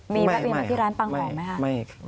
มีแวะเวียนมาที่ร้านปังหอมไหมคะ